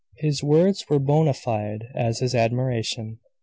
His words were bona fide as his admiration.